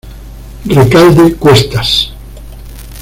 Recalde Cuestas.